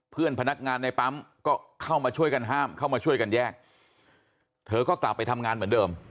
เพื่อนพนักงานในปั๊มก็เข้ามาช่วยกันห้ามเข้ามาช่วยกันแยกเธอก็กลับไปทำงานเหมือนเดิม